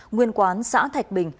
nguyên quán xã thạch bình